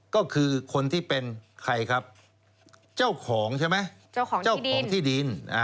ก็คือคนที่เป็นใครครับเจ้าของใช่ไหมเจ้าของที่ดิน